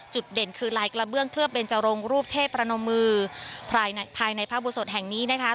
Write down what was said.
จุดเด่นคือลายกระเบื้องเคลือบเป็นจรงรูปเทพรนมือภายในพระอุโบสถแห่งนี้นะคะ